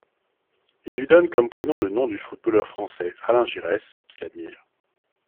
Il lui donne comme prénom le nom du footballeur français Alain Giresse, qu'il admire.